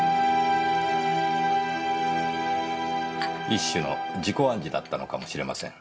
一種の自己暗示だったのかもしれません。